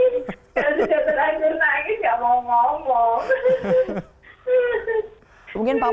iya cuma aku sedang nunggu dulu lagi